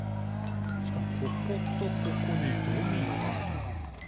しかもこことここにドミノがあるな。